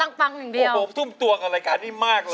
มันมายต้มตัวกับรายการนี่มากเลย